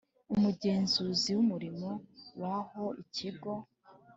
umugenzuzi w umurimo w aho ikigo